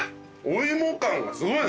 お芋感がすごい。